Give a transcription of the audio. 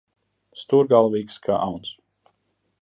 Stūrgalvīgs kā auns.